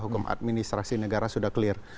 hukum administrasi negara sudah clear